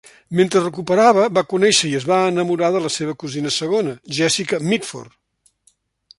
Mentre es recuperava, va conèixer i es va enamorar de la seva cosina segona, Jessica Mitford.